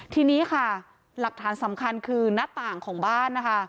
ทีนี้ค่ะหลักฐานสำคัญคือหน้าต่างของบ้านนะคะ